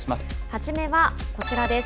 初めはこちらです。